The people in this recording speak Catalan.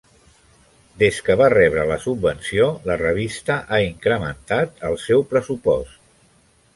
Des que va rebre la subvenció, la revista ha incrementat el seu pressupost.